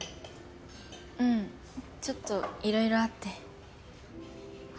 うんちょっといろいろあって。